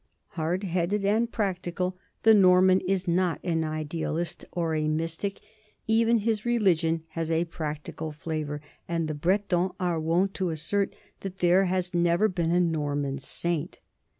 Hard headed and practical, the Norman is not an ideal ist or a mystic; even his religion has a practical flavor, and the Bretons are wont to assert that there has never been a Norman saint.